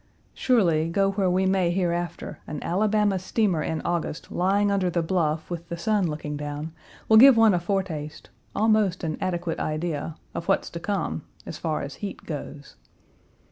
Surely, go where we may hereafter, an Alabama steamer in August lying under the bluff with the sun looking down, will give one a foretaste, almost an adequate idea, of what's to come, as far as heat goes.